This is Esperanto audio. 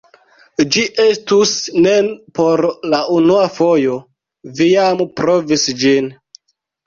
Ĝi estus ne por la unua fojo, vi jam provis ĝin!